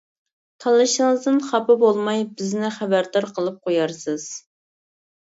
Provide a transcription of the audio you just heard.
تاللىشىڭىزدىن خاپا بولماي بىزنى خەۋەردار قىلىپ قويارسىز.